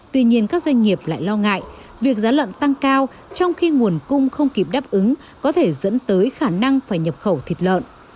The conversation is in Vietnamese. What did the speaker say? tuy nhiên các doanh nghiệp lại lo ngại việc giá lợn tăng cao trong khi nguồn cung không kịp đáp ứng có thể dẫn tới khả năng phải nhập khẩu thịt lợn